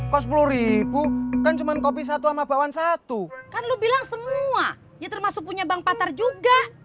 kau sepuluh kan cuman kopi satu ama bawan satu kan lu bilang semua ya termasuk punya bang patar juga